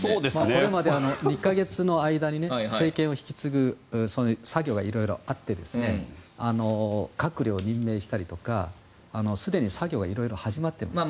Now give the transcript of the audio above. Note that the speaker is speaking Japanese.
これまで２か月の間に政権を引き継ぐ作業が色々あって閣僚を任命したりとかすでに作業は色々始まってます。